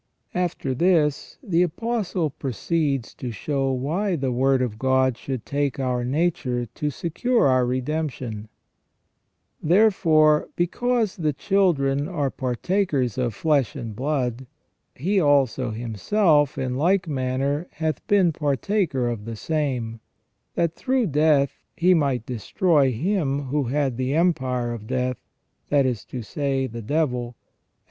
After this the Apostle pro ceeds to show why the Word of God should take our nature to secure our redemption :" Therefore because the children are partakers of flesh and blood, He also Himself in like manner hath been partaker of the same : that through death He might destroy him who had the empire of death, that is to say, the devil : and 324 THE RESTORATION OF MAN.